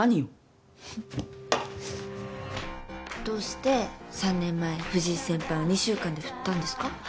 どうして３年前藤井先輩を２週間で振ったんですか？